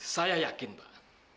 saya yakin pak